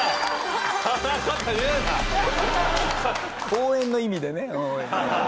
応援の意味でね応援の。